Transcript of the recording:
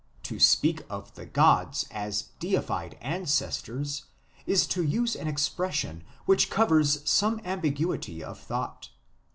... To speak of the gods as deified ancestors, is to use an expression which covers some ambiguity of thought.